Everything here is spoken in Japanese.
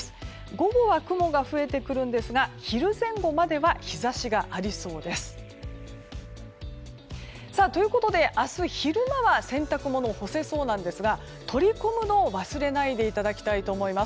午後は雲が増えてくるんですが昼前後までは日差しがありそうです。ということで、明日昼間は洗濯物を干せそうなんですが取り込むのを忘れないでいただきたいと思います。